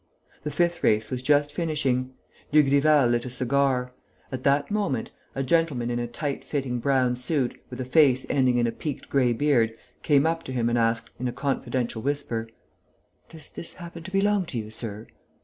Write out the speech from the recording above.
The fifth race was just finishing. Dugrival lit a cigar. At that moment, a gentleman in a tight fitting brown suit, with a face ending in a peaked grey beard, came up to him and asked, in a confidential whisper: "Does this happen to belong to you, sir?"